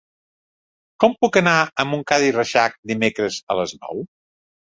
Com puc anar a Montcada i Reixac dimecres a les nou?